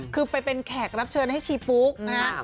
คือไปเป็นแขกรับเชิญให้ชีปุ๊กนะ